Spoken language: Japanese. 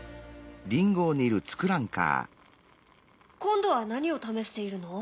今度は何を試しているの？